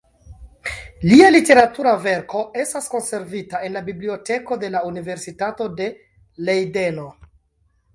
Lia literatura verko estas konservita en la Biblioteko de la Universitato de Lejdeno.